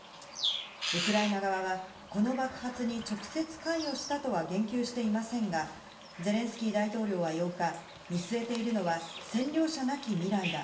ウクライナ側は、この爆発に直接関与したとは言及していませんが、ゼレンスキー大統領は８日、見据えているのは占領者なき未来だ。